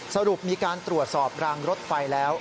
สรุปมีการตรวจสอบรางรถไฟแล้ว